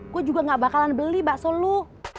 gua juga nggak bakalan beli bakso lu